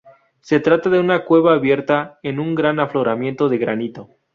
Se trata de una cueva abierta en un gran afloramiento de granito.